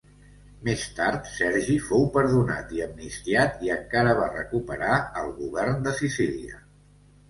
Més tard Sergi fou perdonat i amnistiat i encara va recuperar el govern de Sicília.